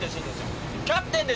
キャプテンでしょ。